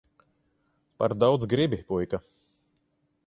Par daudz gribi, puika.